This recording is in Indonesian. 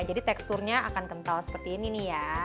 jadi teksturnya akan kental seperti ini ya